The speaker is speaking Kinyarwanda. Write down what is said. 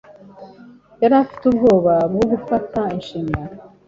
Yari afite ubwoba bwo gufata inshingano.